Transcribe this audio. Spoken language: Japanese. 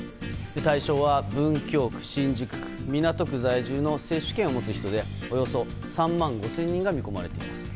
対象は文京区、新宿区、港区在住の接種券を持つ人でおよそ３万５０００人が見込まれています。